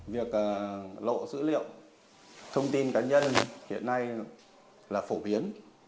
việc lộ dữ liệu thông tin cá nhân hiện nay là phổ biến